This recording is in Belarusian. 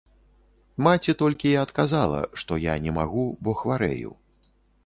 Маці толькі і адказала, што я не магу, бо хварэю.